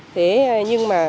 thế nhưng mà